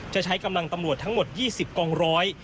จะใช้กำลังตำรวจทั้งหมด๒๐กองร้อย